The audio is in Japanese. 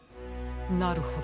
なるほど。